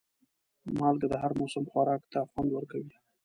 مالګه د هر موسم خوراک ته خوند ورکوي.